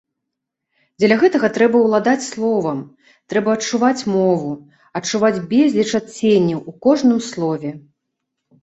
Дзеля гэтага трэба ўладаць словам, трэба адчуваць мову, адчуваць безліч адценняў у кожным слове.